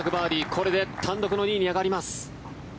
これで単独の２位に上がります。